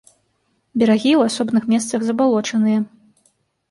Берагі ў асобных месцах забалочаныя.